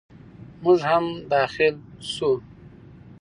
موږ هم داخل شوو.